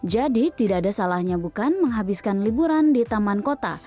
jadi tidak ada salahnya bukan menghabiskan liburan di taman kota